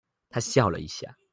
她笑了一下